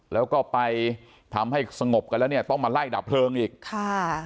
แล้วก็ไปทำให้สงบกันแล้วเนี่ยต้องมาไล่ดับเพลิงอีกค่ะ